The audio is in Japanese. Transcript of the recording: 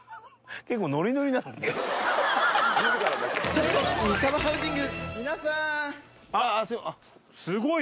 ちょっといいかもハウジング！